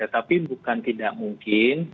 tapi bukan tidak mungkin